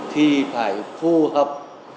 thì phải phù hợp